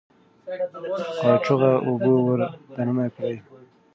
قاچوغه اوبه ور دننه کوي.